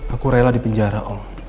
aku rela di penjara oh